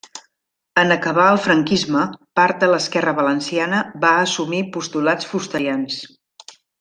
En acabar el franquisme, part de l'esquerra valenciana, va assumir postulats fusterians.